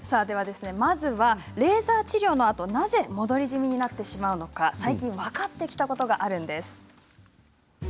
では、まずはレーザー治療のあとなぜ戻りジミになってしまうのか最近、分かってきたことがあるんです。